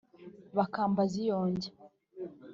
bakambaza iyo njya